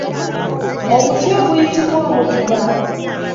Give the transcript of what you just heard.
Omuti oguyitibwa omutuba.